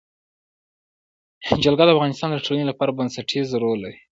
جلګه د افغانستان د ټولنې لپاره بنسټيز رول لري.